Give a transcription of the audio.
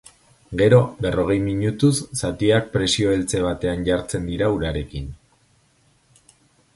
Gero, berrogei minutuz, zatiak presio-eltze batean jartzen dira urarekin.